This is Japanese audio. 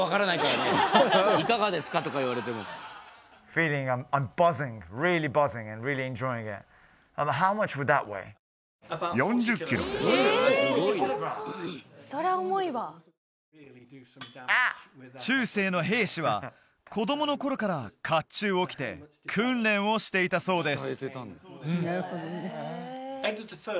いかがですか？とか言われても中世の兵士は子供の頃から甲冑を着て訓練をしていたそうです